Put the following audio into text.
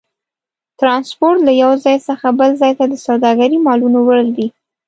ترانسپورت له یو ځای څخه بل ځای ته د سوداګرۍ مالونو وړل دي.